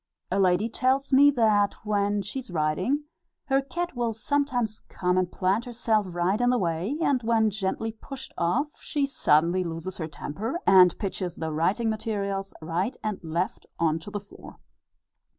A lady tells me that when she is writing, her cat will sometimes come and plant herself right in the way, and when gently pushed off, she suddenly loses her temper, and pitches the writing materials right and left on to the floor.